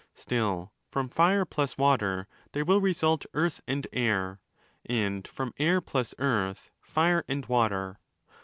Still, from Fire plus Water there will result Earth and? Air, and from Air p/vs Earth Tire and' Water.